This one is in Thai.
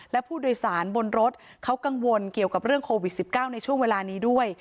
และผู้โดยสารบนรถเขากังวลเกี่ยวกับเรื่องโควิด๑๙ในช่วงเวลานี้ด้วย